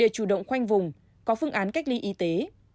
để chủ động khoanh vùng có phương án cách ly y tế